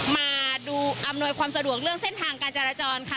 มาดูอำนวยความสะดวกเรื่องเส้นทางการจราจรค่ะ